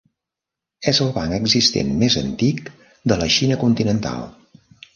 És el banc existent més antic de la Xina continental.